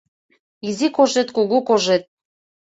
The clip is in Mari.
Изи кожет, кугу кожет —